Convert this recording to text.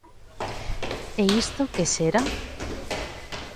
E isto ¿que xera?